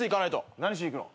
何しに行くの？